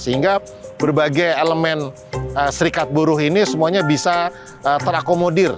sehingga berbagai elemen serikat buruh ini semuanya bisa terakomodir